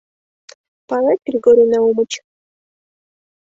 Палет, Григорий Наумыч.